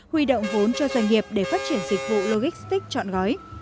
huy động vốn cho doanh nghiệp để phát triển dịch vụ logistics chọn gói